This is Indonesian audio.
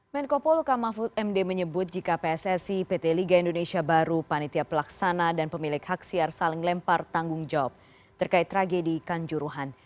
menkopolu kamafut md menyebut jika pssi pt liga indonesia baru panitia pelaksana dan pemilik haksiar saling lempar tanggung jawab terkait tragedi kanjuruhan